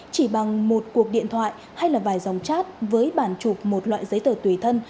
chỉ bằng một cuộc điện thoại hay là vài dòng chat với bản chụp một loại giấy tờ tùy thân